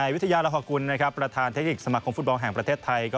วิทยาลหกุลประธานเทคนิคสมาคมฟุตบอลแห่งประเทศไทย